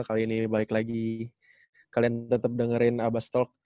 kali ini balik lagi kalian tetap dengerin abas talk